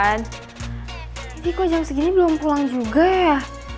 ini kok jam segini belum pulang juga ya